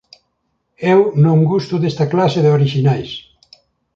Eu non gusto desta clase de orixinais.